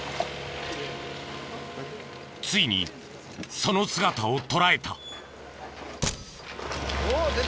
ついにその姿を捉えた。